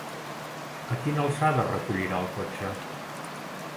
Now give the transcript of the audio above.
A quina alçada recollirà el cotxe?